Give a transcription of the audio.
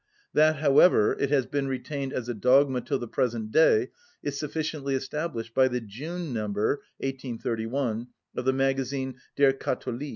That, however, it has been retained as a dogma till the present day is sufficiently established by the June number, 1831, of the magazine 'Der Katholik.